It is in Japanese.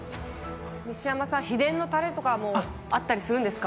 西山さん秘伝のタレとかもあったりするんですか？